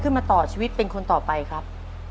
ขึ้นมาต่อชีวิตเป็นคนต่อไปครับ